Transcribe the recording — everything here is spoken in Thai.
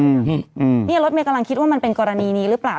นี่รถเมย์กำลังคิดว่ามันเป็นกรณีนี้หรือเปล่า